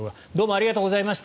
ありがとうございます。